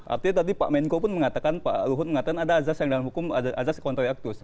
artinya tadi pak menko pun mengatakan pak luhut mengatakan ada azas yang dalam hukum ada azas kontraktus